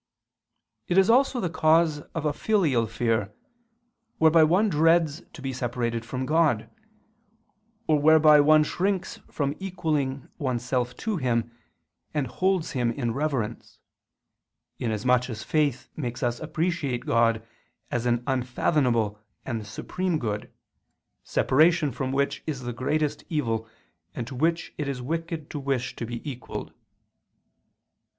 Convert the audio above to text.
It is also the cause of filial fear, whereby one dreads to be separated from God, or whereby one shrinks from equalling oneself to Him, and holds Him in reverence, inasmuch as faith makes us appreciate God as an unfathomable and supreme good, separation from which is the greatest evil, and to which it is wicked to wish to be equalled.